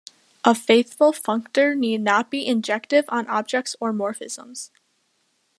A faithful functor need not be injective on objects or morphisms.